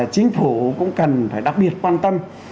chính phủ cũng cần phải đặc biệt quan tâm